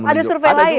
ada survei lain ya